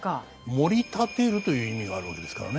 盛り立てるという意味があるわけですからね。